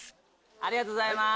ありがとうございます。